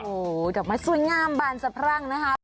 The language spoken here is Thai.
โอ้โหดอกไม้สวยงามบานสะพรั่งนะครับ